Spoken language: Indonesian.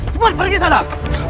cepat pergi salah